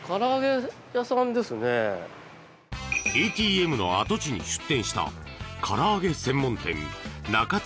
ＡＴＭの跡地に出店したからあげ専門店中津